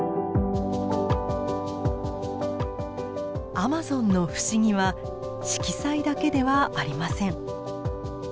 アマゾンの不思議は色彩だけではありません。